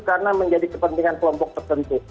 karena menjadi kepentingan kelompok tertentu